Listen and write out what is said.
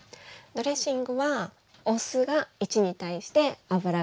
ドレッシングはお酢が１に対して油が３。